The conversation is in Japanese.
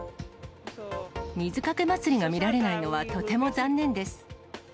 水かけ祭りが見られないのはとても残念です。